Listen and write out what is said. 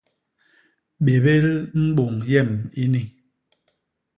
Bébél mbôñ yem ini.